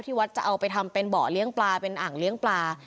วัดจะเอาไปทำเป็นเบาะเลี้ยงปลาเป็นอ่างเลี้ยงปลา